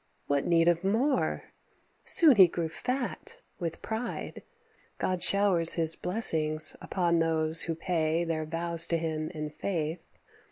What need of more? Soon he grew fat with pride; God showers his blessings upon those who pay Their vows to him in faith.